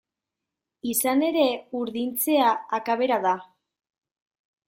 Izan ere, urdintzea akabera da.